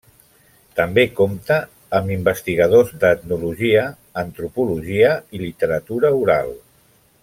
També compta amb investigadors d'etnologia, antropologia i literatura oral.